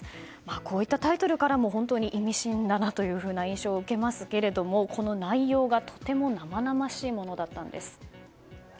こうしたタイトルからも意味深だなという印象を受けますがこの内容がとても生々しいものだったんです。